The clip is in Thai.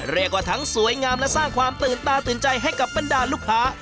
เรียกว่าทั้งสวยงามและสร้างความตื่นตาตื่นใจให้กับบรรดาลูกค้า